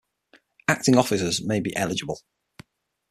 Acting officers may be eligible.